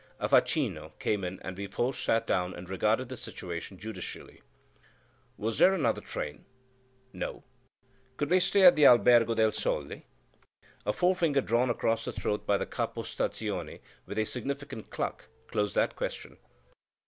A facchino came in, and we four sat down and regarded the situation judicially. "Was there any other train?" "No." "Could we stay at the Albergo del Sole?" A forefinger drawn across the throat by the Capo Stazione with a significant "cluck" closed that question.